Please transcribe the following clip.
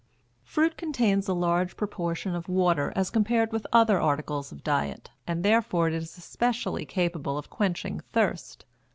Fruit contains a large proportion of water as compared with other articles of diet; and, therefore, is especially capable of quenching thirst.